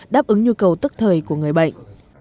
đáp ứng nhu cầu tức thời của người bệnh